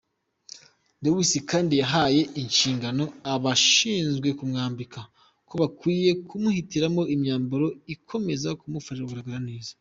Lewis kandi yahaye inshingano abashinzwe kumwambika ko bakwiriye kumuhitiramo imyambaro ikomeza kumufasha kugaragara neza.